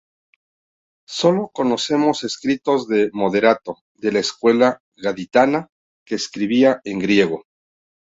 Solo conocemos escritos de Moderato, de la escuela gaditana, que escribía en griego.